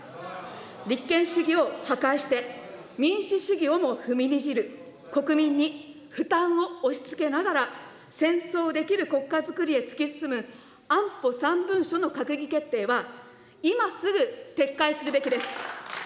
立憲主義を破壊して、民主主義をも踏みにじる国民に負担を押しつけながら、戦争できる国家づくりへ突き進む安保３文書の閣議決定は、今すぐ撤回するべきです。